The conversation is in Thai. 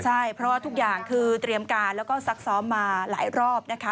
ใช่เพราะว่าทุกอย่างคือเตรียมการแล้วก็ซักซ้อมมาหลายรอบนะคะ